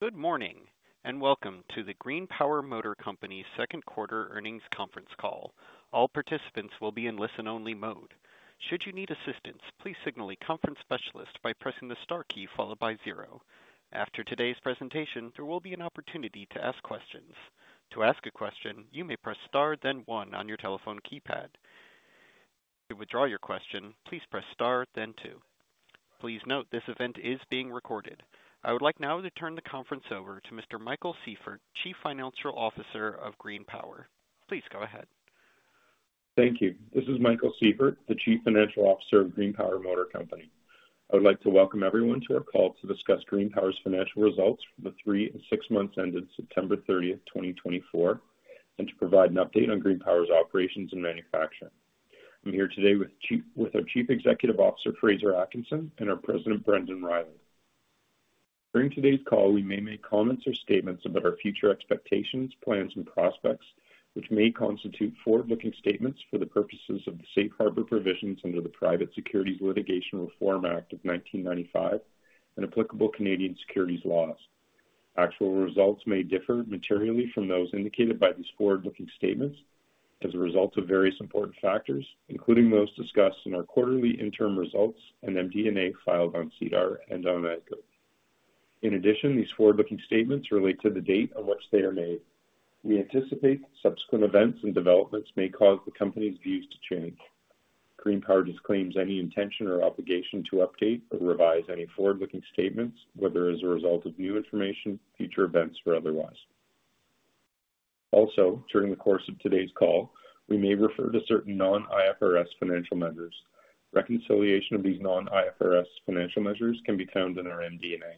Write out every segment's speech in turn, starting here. Good morning and welcome to the GreenPower Motor Company Second Quarter Earnings Conference Call. All participants will be in listen-only mode. Should you need assistance, please signal a conference specialist by pressing the star key followed by zero. After today's presentation, there will be an opportunity to ask questions. To ask a question, you may press star, then one on your telephone keypad. To withdraw your question, please press star, then two. Please note this event is being recorded. I would like now to turn the conference over to Mr. Michael Sieffert, Chief Financial Officer of GreenPower. Please go ahead. Thank you. This is Michael Sieffert, the Chief Financial Officer of GreenPower Motor Company. I would like to welcome everyone to our call to discuss GreenPower's financial results for the three and six months ended September 30th, 2024, and to provide an update on GreenPower's operations and manufacturing. I'm here today with our Chief Executive Officer, Fraser Atkinson, and our President, Brendan Riley. During today's call, we may make comments or statements about our future expectations, plans, and prospects, which may constitute forward-looking statements for the purposes of the Safe Harbor Provisions under the Private Securities Litigation Reform Act of 1995 and applicable Canadian securities laws. Actual results may differ materially from those indicated by these forward-looking statements as a result of various important factors, including those discussed in our quarterly interim results and MD&A filed on SEDAR+ and on EDGAR. In addition, these forward-looking statements relate to the date on which they are made. We anticipate subsequent events and developments may cause the company's views to change. GreenPower disclaims any intention or obligation to update or revise any forward-looking statements, whether as a result of new information, future events, or otherwise. Also, during the course of today's call, we may refer to certain non-IFRS financial measures. Reconciliation of these non-IFRS financial measures can be found in our MD&A.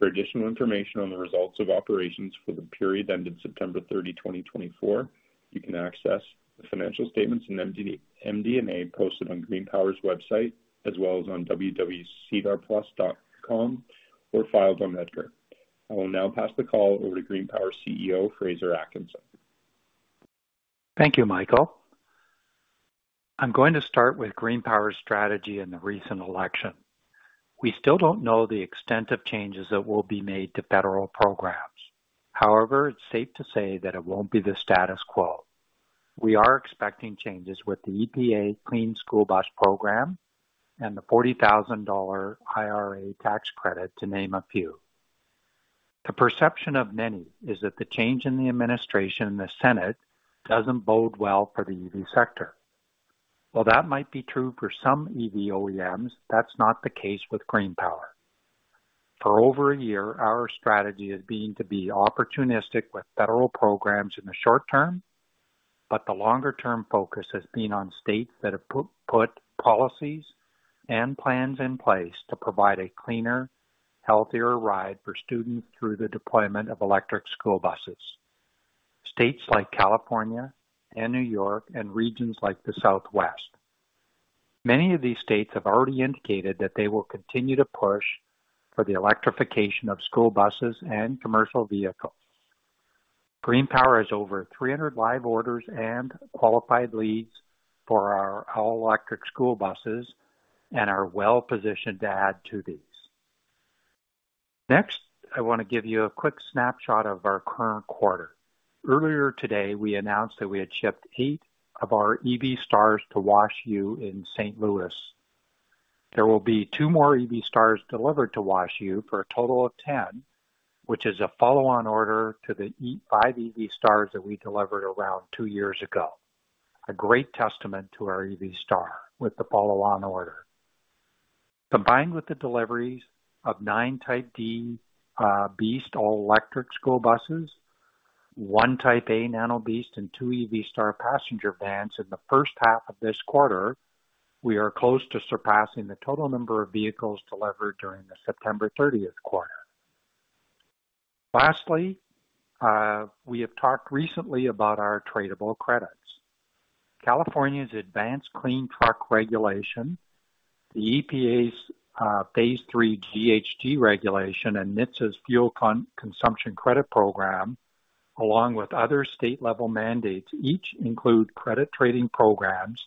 For additional information on the results of operations for the period ended September 30, 2024, you can access the financial statements and MD&A posted on GreenPower's website as well as on www.sedarplus.com or filed on EDGAR. I will now pass the call over to GreenPower CEO, Fraser Atkinson. Thank you, Michael. I'm going to start with GreenPower's strategy in the recent election. We still don't know the extent of changes that will be made to federal programs. However, it's safe to say that it won't be the status quo. We are expecting changes with the EPA Clean School Bus Program and the $40,000 IRA tax credit, to name a few. The perception of many is that the change in the administration in the Senate doesn't bode well for the EV sector. While that might be true for some EV OEMs, that's not the case with GreenPower. For over a year, our strategy has been to be opportunistic with federal programs in the short term, but the longer-term focus has been on states that have put policies and plans in place to provide a cleaner, healthier ride for students through the deployment of electric school buses. States like California and New York and regions like the Southwest. Many of these states have already indicated that they will continue to push for the electrification of school buses and commercial vehicles. GreenPower has over 300 live orders and qualified leads for our all-electric school buses and are well-positioned to add to these. Next, I want to give you a quick snapshot of our current quarter. Earlier today, we announced that we had shipped eight of our EV Star to WashU in St. Louis. There will be two more EV Star delivered to WashU for a total of 10, which is a follow-on order to the five EV Star that we delivered around two years ago. A great testament to our EV Star with the follow-on order. Combined with the deliveries of nine Type D BEAST all-electric school buses, one Type A Nano BEAST, and two EV Star Passenger Vans in the first half of this quarter, we are close to surpassing the total number of vehicles delivered during the September 30th quarter. Lastly, we have talked recently about our tradable credits. California's Advanced Clean Truck Regulation, the EPA's Phase Three GHG Regulation, and NHTSA's Fuel Consumption Credit Program, along with other state-level mandates, each include credit trading programs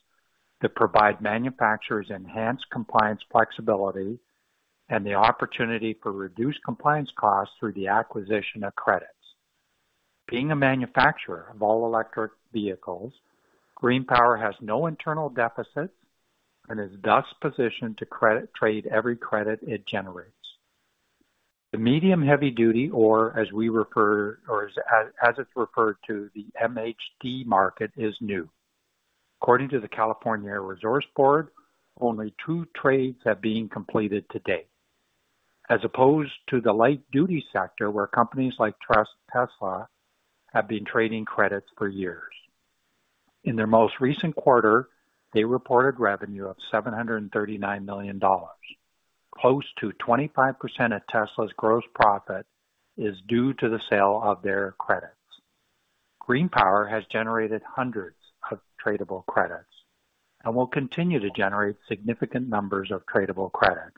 that provide manufacturers enhanced compliance flexibility and the opportunity for reduced compliance costs through the acquisition of credits. Being a manufacturer of all-electric vehicles, GreenPower has no internal deficits and is thus positioned to credit trade every credit it generates. The medium- and heavy-duty, or as it's referred to, the MHD market is new. According to the California Air Resources Board, only two trades have been completed to date, as opposed to the light-duty sector where companies like Tesla have been trading credits for years. In their most recent quarter, they reported revenue of $739 million. Close to 25% of Tesla's gross profit is due to the sale of their credits. GreenPower has generated hundreds of tradable credits and will continue to generate significant numbers of tradable credits.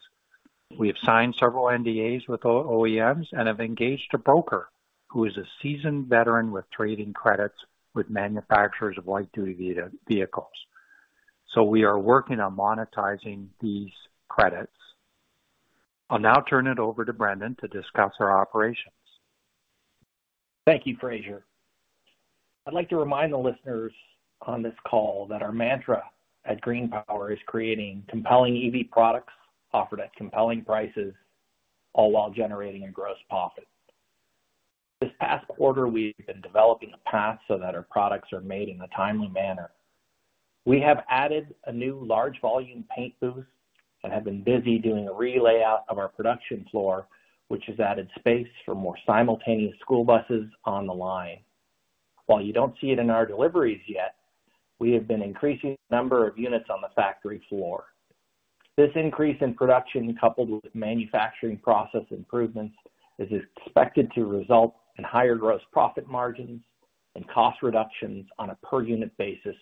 We have signed several NDAs with OEMs and have engaged a broker who is a seasoned veteran with trading credits with manufacturers of light-duty vehicles. So we are working on monetizing these credits. I'll now turn it over to Brendan to discuss our operations. Thank you, Fraser. I'd like to remind the listeners on this call that our mantra at GreenPower is creating compelling EV products offered at compelling prices, all while generating a gross profit. This past quarter, we've been developing a path so that our products are made in a timely manner. We have added a new large-volume paint booth and have been busy doing a re-layout of our production floor, which has added space for more simultaneous school buses on the line. While you don't see it in our deliveries yet, we have been increasing the number of units on the factory floor. This increase in production, coupled with manufacturing process improvements, is expected to result in higher gross profit margins and cost reductions on a per-unit basis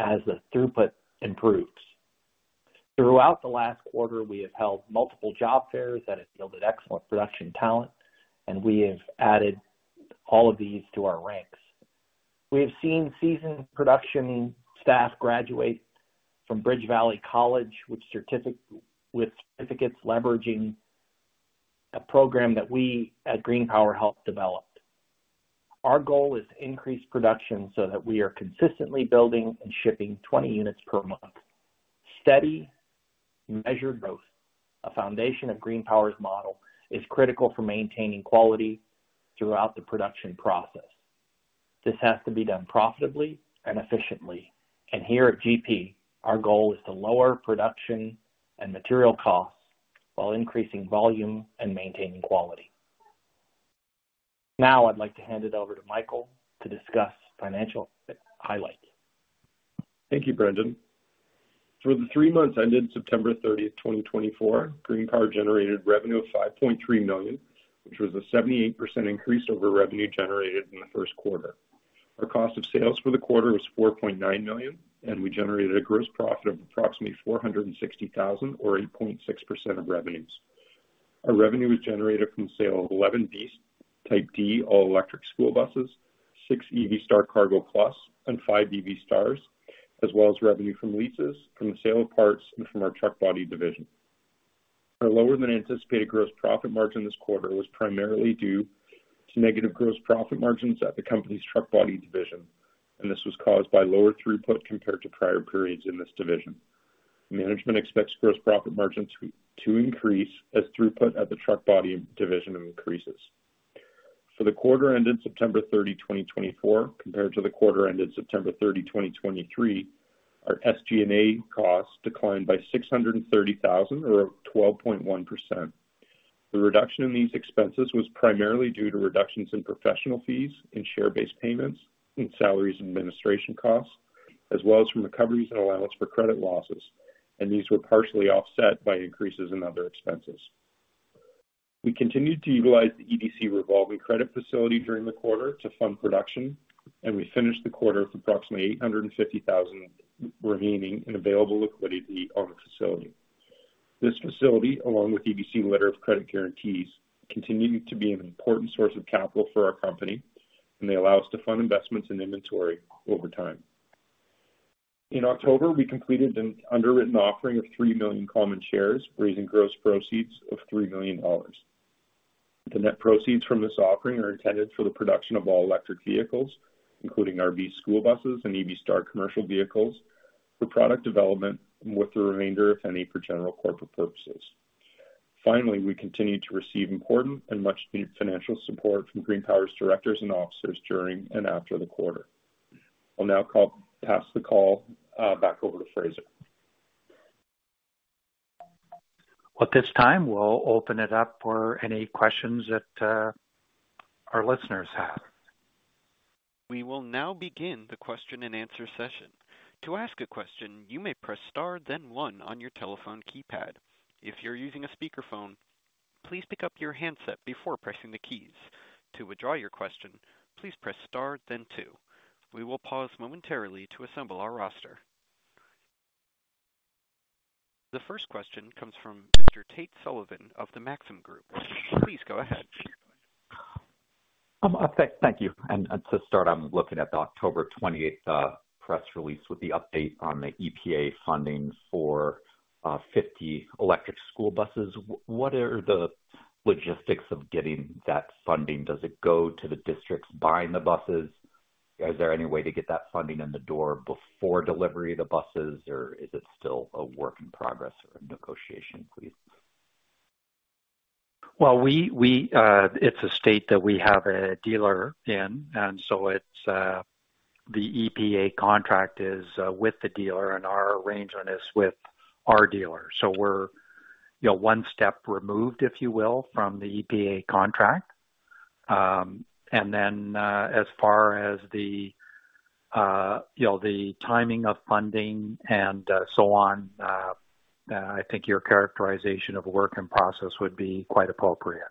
as the throughput improves. Throughout the last quarter, we have held multiple job fairs that have yielded excellent production talent, and we have added all of these to our ranks. We have seen seasoned production staff graduate from BridgeValley College with certificates leveraging a program that we at GreenPower helped develop. Our goal is to increase production so that we are consistently building and shipping 20 units per month. Steady, measured growth, a foundation of GreenPower's model, is critical for maintaining quality throughout the production process. This has to be done profitably and efficiently, and here at GP, our goal is to lower production and material costs while increasing volume and maintaining quality. Now I'd like to hand it over to Michael to discuss financial highlights. Thank you, Brendan. For the three months ended September 30th, 2024, GreenPower generated revenue of $5.3 million, which was a 78% increase over revenue generated in the first quarter. Our cost of sales for the quarter was $4.9 million, and we generated a gross profit of approximately $460,000, or 8.6% of revenues. Our revenue was generated from the sale of 11 BEAST Type D all-electric school buses, six EV Star Cargo Plus, and five EV Stars, as well as revenue from leases, from the sale of parts, and from our truck body division. Our lower-than-anticipated gross profit margin this quarter was primarily due to negative gross profit margins at the company's truck body division, and this was caused by lower throughput compared to prior periods in this division. Management expects gross profit margins to increase as throughput at the truck body division increases. For the quarter ended September 30, 2024, compared to the quarter ended September 30, 2023, our SG&A costs declined by $630,000, or 12.1%. The reduction in these expenses was primarily due to reductions in professional fees and share-based payments and salaries administration costs, as well as from recoveries and allowance for credit losses, and these were partially offset by increases in other expenses. We continued to utilize the EDC revolving credit facility during the quarter to fund production, and we finished the quarter with approximately $850,000 remaining in available liquidity on the facility. This facility, along with EDC letter of credit guarantees, continues to be an important source of capital for our company, and they allow us to fund investments and inventory over time. In October, we completed an underwritten offering of 3 million shares, raising gross proceeds of $3 million. The net proceeds from this offering are intended for the production of all-electric vehicles, including our BEAST school buses and EV Star commercial vehicles, for product development, with the remainder, if any, for general corporate purposes. Finally, we continue to receive important and much-needed financial support from GreenPower's directors and officers during and after the quarter. I'll now pass the call back over to Fraser. At this time, we'll open it up for any questions that our listeners have. We will now begin the question-and-answer session. To ask a question, you may press star, then one on your telephone keypad. If you're using a speakerphone, please pick up your handset before pressing the keys. To withdraw your question, please press star, then two. We will pause momentarily to assemble our roster. The first question comes from Mr. Tate Sullivan of the Maxim Group. Please go ahead. Thank you. And to start, I'm looking at the October 28th press release with the update on the EPA funding for 50 electric school buses. What are the logistics of getting that funding? Does it go to the districts buying the buses? Is there any way to get that funding in the door before delivery of the buses, or is it still a work in progress or a negotiation, please? Well, it's a state that we have a dealer in, and so the EPA contract is with the dealer, and our arrangement is with our dealer. So we're one step removed, if you will, from the EPA contract. And then as far as the timing of funding and so on, I think your characterization of work in process would be quite appropriate.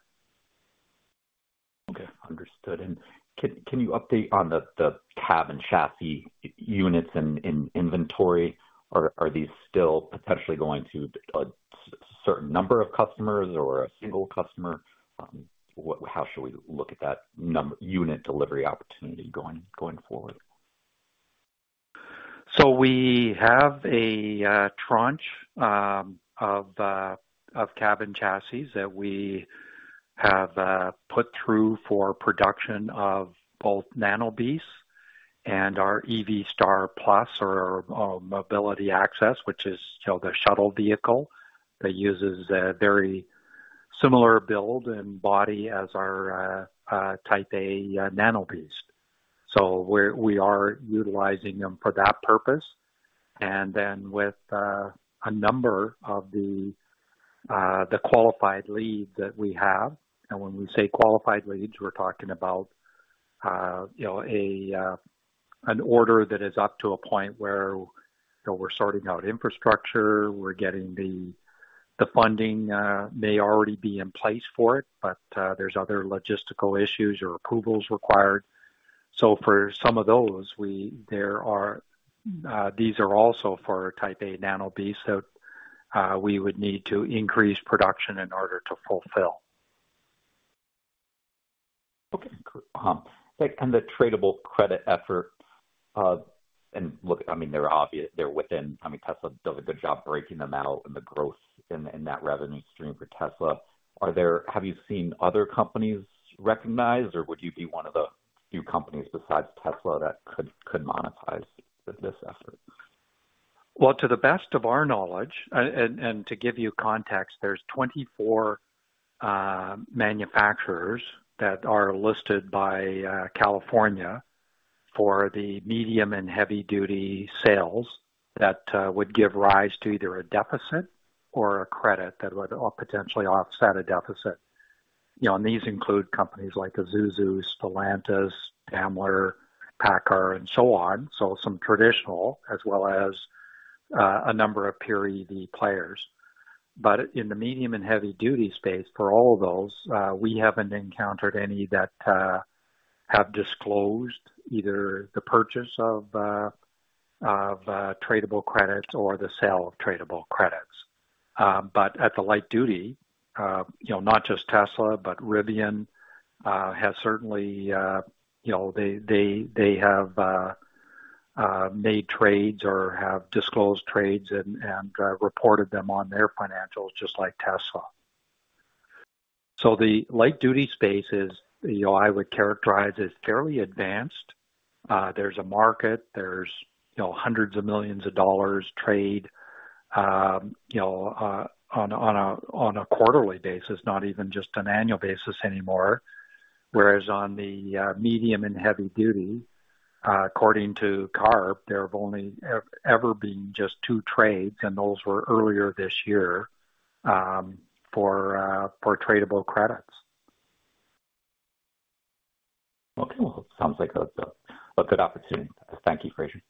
Okay. Understood. And can you update on the cab and chassis units and inventory? Are these still potentially going to a certain number of customers or a single customer? How should we look at that unit delivery opportunity going forward? So we have a tranche of cab and chassis that we have put through for production of both Nano BEAST and our EV Star Mobility Plus or Mobility Access, which is the shuttle vehicle that uses a very similar build and body as our Type A Nano BEAST. So we are utilizing them for that purpose. And then with a number of the qualified leads that we have, and when we say qualified leads, we're talking about an order that is up to a point where we're sorting out infrastructure. We're getting the funding may already be in place for it, but there's other logistical issues or approvals required. So for some of those, these are also for Type A Nano BEAST, so we would need to increase production in order to fulfill. Okay. And the tradable credit effort, and I mean, they're obvious. They're within. I mean, Tesla does a good job breaking them out in the growth and that revenue stream for Tesla. Have you seen other companies recognized, or would you be one of the few companies besides Tesla that could monetize this effort? Well, to the best of our knowledge, and to give you context, there's 24 manufacturers that are listed by California for the medium and heavy-duty sales that would give rise to either a deficit or a credit that would potentially offset a deficit. And these include companies like Isuzu, Stellantis, Daimler, PACCAR, and so on. So some traditional, as well as a number of pure EV players. But in the medium and heavy-duty space, for all of those, we haven't encountered any that have disclosed either the purchase of tradable credits or the sale of tradable credits. But at the light-duty, not just Tesla, but Rivian has certainly they have made trades or have disclosed trades and reported them on their financials, just like Tesla. So the light-duty space is, I would characterize as fairly advanced. There's a market. There's hundreds of millions of dollars trade on a quarterly basis, not even just an annual basis anymore. Whereas on the medium and heavy-duty, according to CARB, there have only ever been just two trades, and those were earlier this year for tradable credits. Okay. Well, it sounds like a good opportunity. Thank you, Fraser.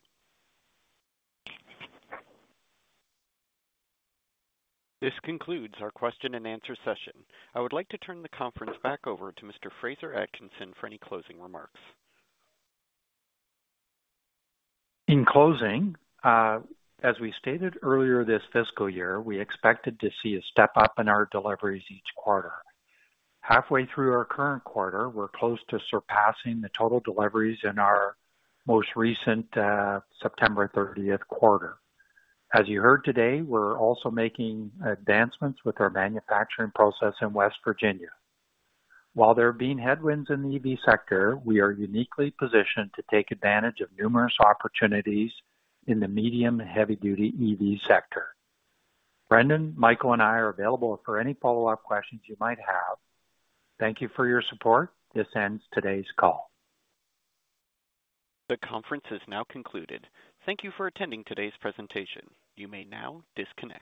This concludes our question-and-answer session. I would like to turn the conference back over to Mr. Fraser Atkinson for any closing remarks. In closing, as we stated earlier this fiscal year, we expected to see a step up in our deliveries each quarter. Halfway through our current quarter, we're close to surpassing the total deliveries in our most recent September 30th quarter. As you heard today, we're also making advancements with our manufacturing process in West Virginia. While there have been headwinds in the EV sector, we are uniquely positioned to take advantage of numerous opportunities in the medium and heavy-duty EV sector. Brendan, Michael, and I are available for any follow-up questions you might have. Thank you for your support. This ends today's call. The conference has now concluded. Thank you for attending today's presentation. You may now disconnect.